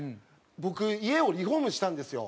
僕家をリフォームしたんですよ。